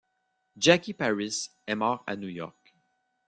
Jackie Paris est mort à New York.